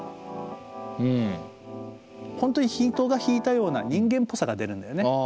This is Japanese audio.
本当に人が弾いたような人間っぽさが出るんだよね。